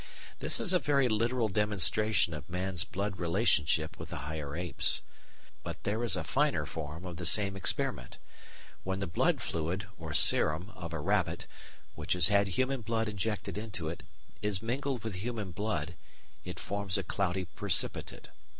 This is a very literal demonstration of man's blood relationship with the higher apes. But there is a finer form of the same experiment. When the blood fluid (or serum) of a rabbit, which has had human blood injected into it, is mingled with human blood, it forms a cloudy precipitate.